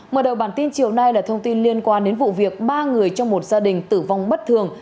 mở đầu bản tin chiều nay là thông tin liên quan đến vụ việc ba người trong một gia đình tử vong bất thường